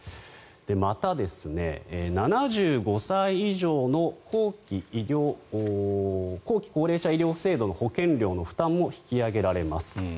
また、７５歳以上の後期高齢者医療制度の保険料の負担も引き上げられます。